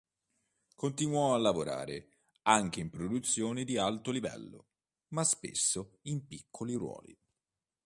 Continuò a lavorare anche in produzioni di alto livello, ma spesso in piccoli ruoli.